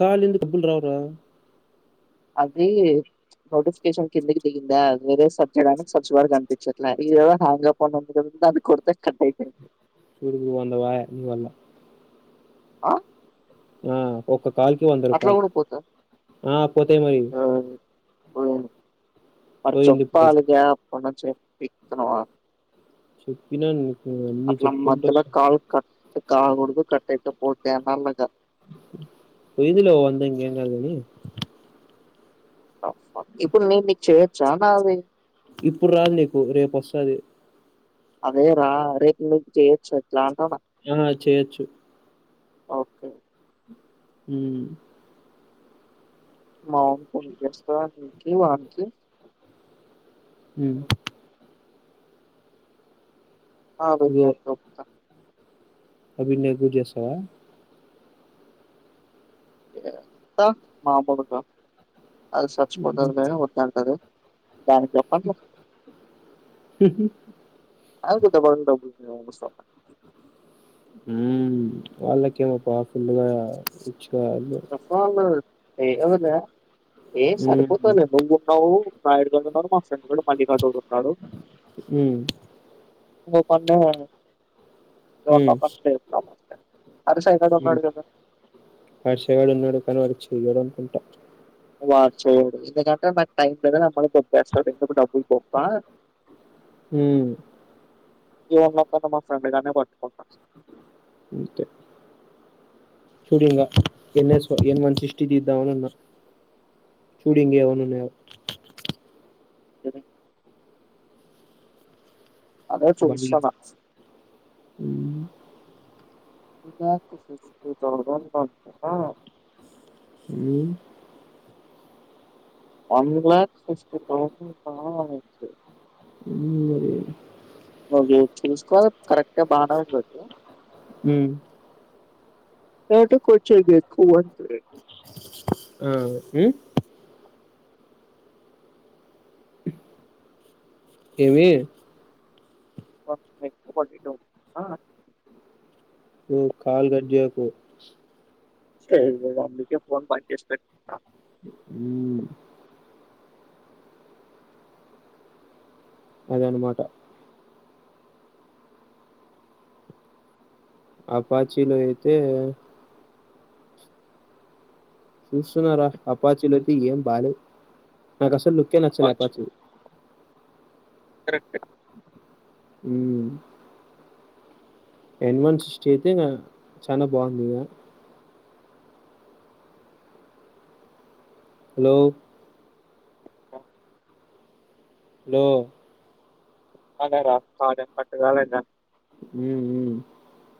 కాల ఎందుకుబుల్ రావరా అది నోటిఫికేషన్ కిందకి దిగిందా అ వేరే సబ్జెక్ సువారు కనిపించట్లే ఇది హాంగ్ అప్ అది కొడితే కట్ అయిపోయింది చూడుకుడు పో అంద వాయ ఇందువల్ల ఆ ఆ ఒక్క కాల్ కి వంద అట్లా రూపాయలు కూడా పోతా పోను మరి పోయింది ఇప్పుడు చెప్పాలగ కొన చెప్పి పికుతున్నావ చెప్పిన నీను అట్లా మధ్యలో కాలు కట్ కాకుడదు కట్టతే పోతే అనలిగ పోయిందిలే అంటే ఇంకా ఏమ్ చదవాలి ఇప్పుడు నినే నీకు చేయొచ్చా కాల్ ఇప్పుడు రాదు నీకు రేపు వస్తాది అదే రా రేపు నీకు చేయెచ్చ అట్లా అంటన్న ఆ చేయొచ్చు ఓకే మ్మ్ వాన ఇక్కడ కురుస్తాంది కిలో అనికి [unintelligible] హ్మ్ కాల్ వచ్చినప్పుడు చెప్తా ఇప్పుడు నిక్కుడ చేస్తావా ఆ మాబడుక వాళ్ళు సచ్చిపోతేనే వత్తా అంటారు దానికి ఒప్పని చే [unintelligible] అయితే [unintelligible] డబ్బులు ఇవ్వడానికి వస్తారు వాళ్ళకేమో పాప ఉందిగావచ్చు వస్తాఅన్నారు ఎవళు ఏ మ్మ్ సరిపోతాదిలే [unintelligible] యాడికి వెళ్దాం బస్ మల్లికార్జునుడు వత్తాడు మ్మ్ రేపన్నా వాడు మ్మ్ చదువుకుంటున్నాడు కదా చేడున్నాడు కానీ వాడు చెయ్యడు అనుకుంటా [unintelligible] వాడు చెయ్యాడు ఎందుకంటే నాకు టైం లేదు అని వాడు దొబ్బెస్తాడు ఎందుకు డబ్బులు బొక్క వును ఏమ్ మాట్లాడుతన్నావు స్వామి రానే రా ఇంకే చూడు ఇంగ N S N one sixty తీద్దామనీ అన్న చూడుఇంగ ఏమన్న ఉన్నాయేమో అదే బ చూస్తున్నా [unintelligible] చ [unintelligible] హ్మ్ వన్ లాక్ సిక్స్టీ తౌసెండ్ హా హ్మ్ అయ్యో చూసుకో [unintelligible] కరెక్ట్ గా బాగానే ఉందిది హ్మ్ ఫోటో కోచై నాకు [inaudible] అ హ్మ్ ఏమి [unintelligible] ఓ కాల్ కట్ చెయ్యకు స అందుకే ఫోన్ ప చేేస్ పెట్ [unintelligible] హ్మ్ అద అన మాట అపాచీలో అయితే చూస్తున్నారా అపాచీలోకి ఏం బాలే నాకు అసల్ సాల్ నచ్చల కావచ్చు అపాచీ కరెక్టే హ్మ్ ఎన్ వన్ సిక్టీకి నా చాలా బంధి ఇగ హలో లో అదే రా సాజ పట్టుగలేద హ్మ్ హు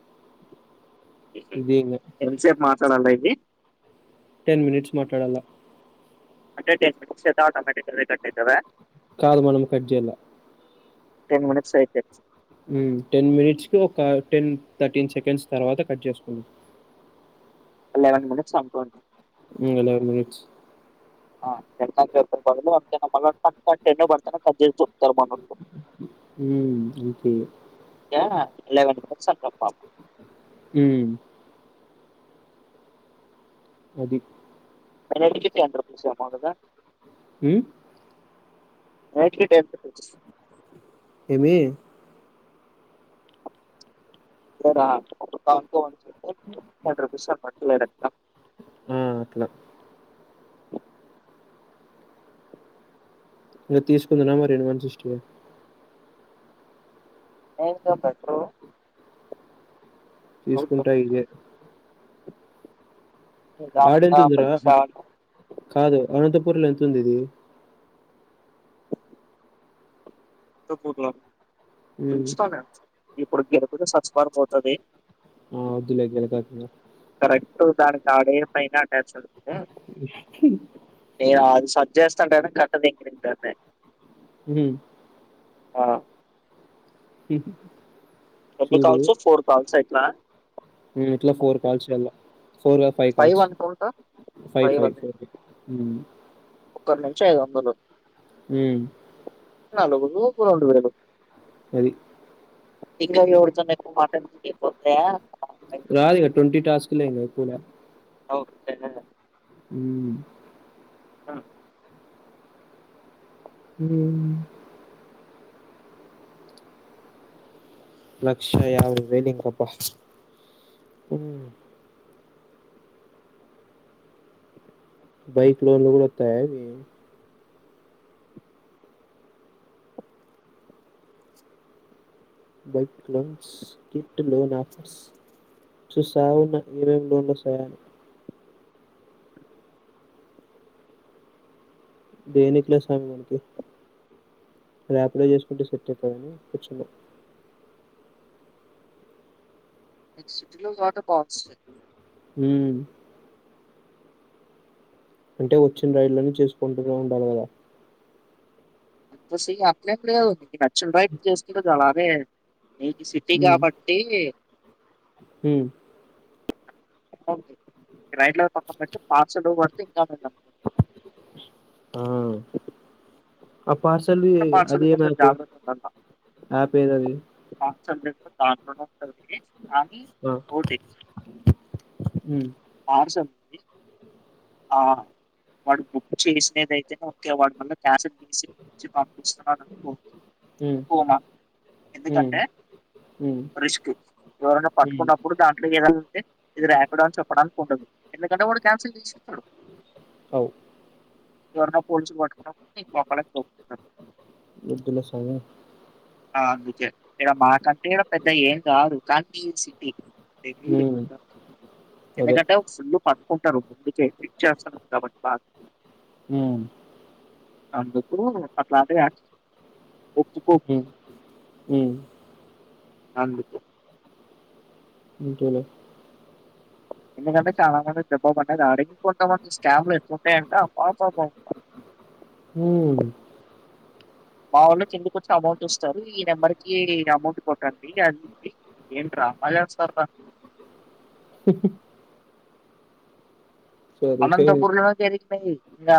[inaudible] ఇది ఇంగ [unintelligible] టెన్ మినిట్స్ మాట్లాడాల్ల అంటే టెన్ మినిట్స్ అయితే ఆటోమేటిక్ అదే కట్ అయితాదా కాదు మనం కట్జైయాల్లా టెన్ మనిట్స్ అయితే హ్మ్ టెన్ మినిట్స్కి ఒక టెన్ థర్టీన్ సెకండ్స్ తర్వాత కట్ చేసుకుండి లెవెన్ మినిట్స్ అనుకోండి హ్మ్ అలా మనిట్స్ [unintelligible] హ్మ్ ఒకే లెవెన్ మినిట్స్ [unintelligible] హ అది మ అడిగితే [unintelligible] అ [unintelligible] ఏమి [unintelligible] థర్టీ రూపీస్ సాంబార్ [unintelligible] ఆ అట్లా ఇగ తీసుకుందున మరి [unintelligible] ఎం కదా బ్రో తీసుకుంటా ఇదే నిదానంగా ఆడేంతుందిరా మీ పైసా కాదు అనంత పూర్ల ఎంత ఉంది ఇది ంతపూర్ల హ్మ్. తుంచుతాన ఇ ఉడుగ్గిరా పోతే సబ్స్కార్ పోతంది ఆ! వద్దులే గెలకాకింగ. కరెక్ట్ దానికాడే పైన ఏ ఆగు సజ్ చేస్తాంటం కట్ట [unintelligible] ఉహు ఆ హ ఎన్ని చూడు కాల్స్ ఫోర్ కాల్స్ ఇట్లా మేం ఇట్లా ఫోర్ కాల్స్ వెళ ఫోర్ కాదు five calls five five four ఉమ్ ఒకరి నుంచి ఐదు వందలు ఉమ్ నలుగురు ఒక రెండు వేలు అది ఇంగ ఎవుడితో నేక్కువ్ మాట్లాడుతుంటే పోతాయా రాదు ఇగ ట్వంటీ టాస్కూలే ఇంగ ఎక్కు అవు [unintelligible] ఉమ్ ఆ ఉమ్ లక్షయాయాభైవేలు ఇంకబ్బా బైక్ లోన్ లు కూడా అత్తయ ఇవి bike loans kit loan offers చూసావున్న ఏవేం లోన్లఅస్తాయా అని దేనికిలే స్వామి మనకి రాపిడో చేసుకుంటే సెట్ అయితాగాని కూర్చున్నా నీకు సిటీ లో కాబట్టే బాగస్తాయ్ ఉమ్ అంటే వచ్చిన రైడ్లనే చేసుకుంటూనే ఉండాలి కదా ద్దు సిగ వచ్చినపుడు కాదు నీకు నచ్చిన డ్రైవ్ బుక్ చేసుకుంటే చాలా వే నీకి సిటీ ఉమ్ కాబట్టి ఉమ్ ఓకే రైడ్ లో పక్కన పెట్ పార్సలు [unintelligible] ఆ పార్సల్వి పార్సల్ అది ఏ కొంచెం మ్యాప్ యాప్ ఏదది కన్సాట్రెట్ దాంట్లొనె కాని ఆ ఉటి ఉమ్ పార్సల్ ఆ వాడు బుక్ చేసినదయితేనే ఒకే వాడి మల్ల కాసెట్ పంపిస్తున్నాను అనుకో ఉమ్ మా ఉమ్ ఎందుకంటే ఉమ్ రిస్క్ ఎవరైనా ఉమ్ పట్టుకున్నప్పుడు దాంట్లో ఏదంటే ఇది యాపిడొ అని చెప్పడం ఉంటుంది ఎందుకంటే కన్స చే అవ్ ఎవరన్నా పోల్చ పట్ అబ్దుల్సమ ఆ అందుకే ఇక్కడ మా కంట్ర పెద్ద ఏం కాదు కానీ సిటీ ఉమ్ అదే ఎందుకంటే ఒక్సప కుంటారు ముందుకే దిక్షాసనం గబని బ ఉ అందుకు పట్లాే ఒ ఉ ఉ అను అంతేలే ఎందుకంటే చాలా మంది దబ్బ పడ్డది అడే కొంతమంది స్కామ్లు ఎక్కువ ఉంటాయ్ అంట అబ్బబ్బ హ మా వాఊళ్ళ కిందికచ్చ అమౌంట్ ఇస్తారు ఈ నెంబర్కిి అమౌంట్ కొట్టండి అది ఏం డ్రిమలు చెస్తారు రా [inaudible] సరిపోయేది అనంతపూర్ లో త ఇగ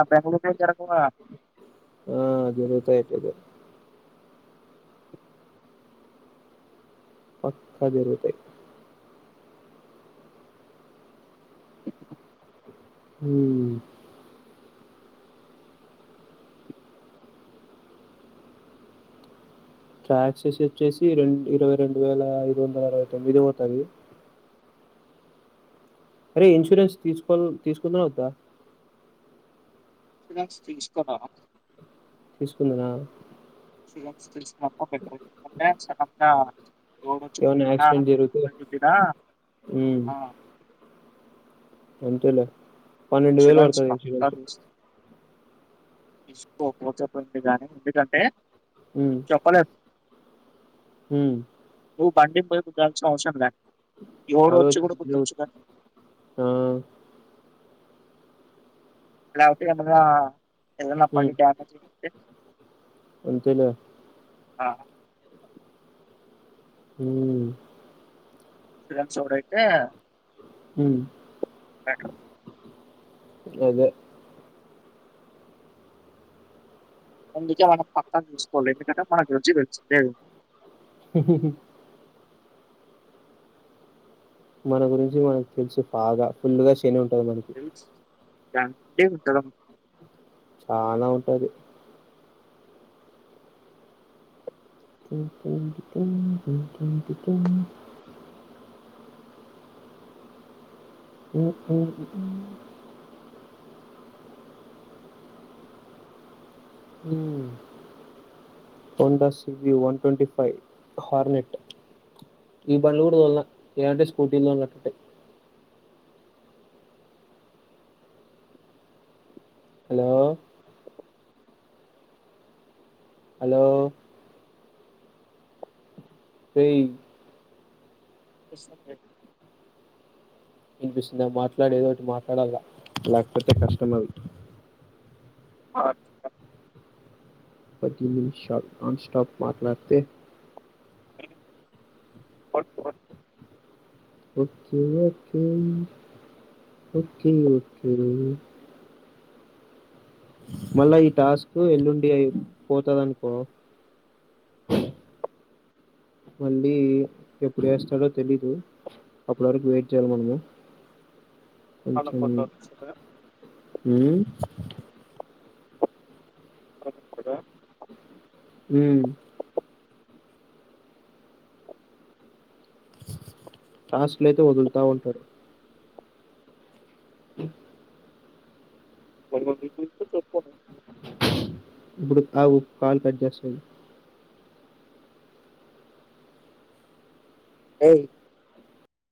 ఆ జరుతయ్ అటేతే పక్క జరుగుతయి హ ట్రాక్సెస్ వచ్చేసి రెం ఇరవై రెండు వేల ఐదు వందల అరవై తొమ్మిది పోవుతది అరే ఇన్సూరెన్స్ తీసుకో తీసుకున వద్ద షురెంన్స్ తీసుకున తీసుకొలేదా శుల తెలుసుకు మాత్రం పెట్ట ఎందుకంటే సా ఏవనా ఎక్సిడెట్ జరుతు గుద్దినా ఉ ఆ అంతేలే పన్నెండు వేలు ఇన్సూరెన్స్ పడుతుంది పక్కా ఇన్సురెన్సు తీస్ తీసుకోకపోతే పోయిందిగానీ ఎందుకంటే చకలేట్ హ పు బండి పైప్ దాచిన అఔషర్లా ఎవడో అవే వచ్చి కూడా గుర్తు బిల్లు వుచ్చిన ఆ క్లారిటి ఏం వుంది రా ఎదన్న పని హ్మ్ డ్యామేజ్ ఉంటే అంతేలే ఆ మ్ ఇజం సోడయితే మ్ గదే అందుకే మన పక్క తీసుకోలే ఏమిటంట [inaudible] [unintelligible] మన గురించి మనకు తెలిసు బాగా ఫుల్లు వర్స్ తినుఉంటాది మనకి రండీ ఉంటద చాన ఉంటది టుమ్ టుమ్ టుమ్ టుమ్ టుమ్ టుంమ్టు టున్ ఉ [unintelligible] వన్ టస్వకి వన్ ట్వంటి ఫైవ్ హార్నెట్ ఈ బల్నోగుడు వల్న ఎ అంటే స్కూటీలో ఉన్నట్టే హలో హలో ఏయి [unintelligible] వినిపిస్తుంద మాట్లాడ ఏదోటి మాట్లాడాల లేకపోతే కష్టం అది అ పది నిమిషాలు నాన్ స్టాప్ మాట్లాడితే [unintelligible] ఓకే ఓకే ఓకే ఓకే మళ్ళా ఈ టాస్క్ ఎల్లుండి అయి పోతది అనుకో మళ్ళీ ఎప్పుడు ఎస్తాడో తెలీదు అప్పటి వరకు వెయిట్ చేయాలి మనము కొంచెం ఉమ్ [inaudible] హమ్ టాస్కులుయితే వదులుతా ఉంటాడు ఉమ్ బడికి పంపిస్తే ప్రిన్సిపల్ సారు ఇప్పుడు తాగు కాల్ కట్ చేస్తుంది ఏయి